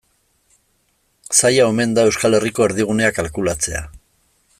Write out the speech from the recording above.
Zaila omen da Euskal Herriko erdigunea kalkulatzea.